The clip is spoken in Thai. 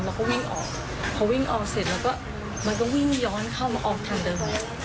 เราก็วิ่งออกพอวิ่งออกเสร็จแล้วก็มันก็วิ่งย้อนเข้ามาออกทางเดิม